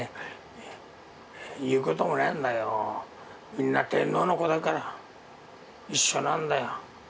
みんな天皇の子だから一緒なんだよ。